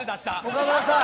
岡村さん。